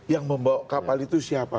yang membawa kapal itu siapa